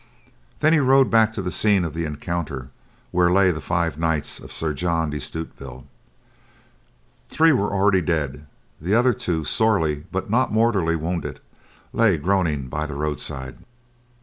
Then he rode back to the scene of the encounter where lay the five knights of Sir John de Stutevill. Three were already dead, the other two, sorely but not mortally wounded, lay groaning by the roadside.